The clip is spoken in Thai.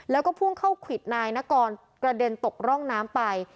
แล้วก็พุ่งเข้าควิดนายนกรกระเด็นตกร่องน้ำไป